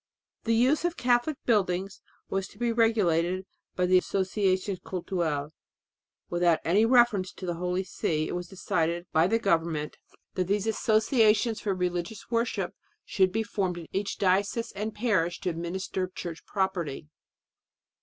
The use of Catholic buildings was to be regulated by the Associations Cultuelles. Without any reference to the Holy See it was decided by the government that these associations for religious worship should be formed in each diocese and parish to administer church property.